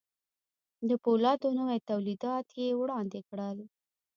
د پولادو نوي توليدات يې وړاندې کړل.